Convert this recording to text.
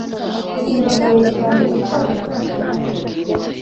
Biragoye cyane gusaza ntacyo umaze